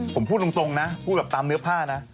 ผมพูดตรงนะพูดแบบตามเนื้อผ้านะ